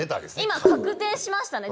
今確定しましたね